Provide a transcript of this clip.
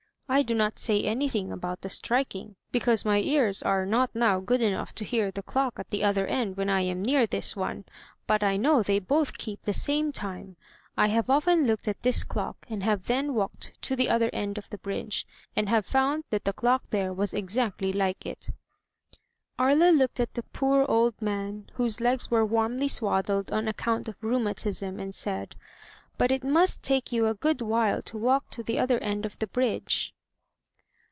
"I do not say anything about the striking, because my ears are not now good enough to hear the clock at the other end when I am near this one; but I know they both keep the same time. I have often looked at this clock and have then walked to the other end of the bridge, and have found that the clock there was exactly like it.*' Aria looked at the poor old man, whose legs were warmly swaddled on account of rheumatism, and said: "But it must take you a good while to walk to the other end of the bridge.